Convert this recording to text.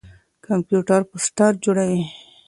کمپيوټر پوسټر جوړوي.